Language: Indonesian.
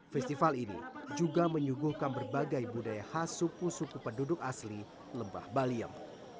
festival ini juga menyuguhkan berbagai budaya khas suku suku penduduk asli lembah baliem